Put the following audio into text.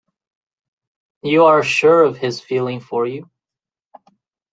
You are sure of his feeling for you?